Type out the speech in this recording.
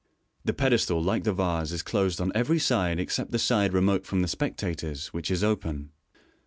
The pedestal, like the vase, is closed on every side except the side remote from the spectators, which is open.